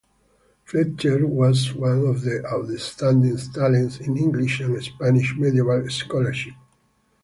Fletcher was one of the outstanding talents in English and Spanish medieval scholarship.